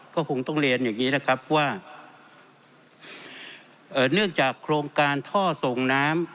ก็คงต้องเรียนอย่างนี้นะครับว่าเอ่อเนื่องจากโครงการท่อส่งน้ำ